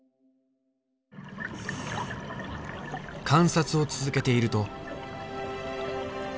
観察を続けていると。